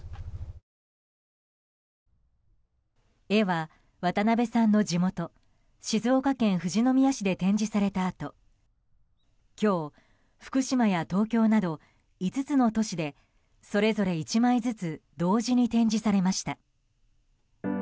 絵は、渡辺さんの地元静岡県富士宮市で展示されたあと今日、福島や東京など５つの都市でそれぞれ１枚ずつ同時に展示されました。